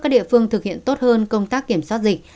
các địa phương thực hiện tốt hơn công tác kiểm soát dịch